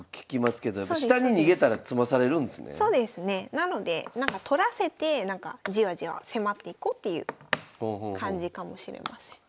なのでなんか取らせてじわじわ迫っていこうっていう感じかもしれません。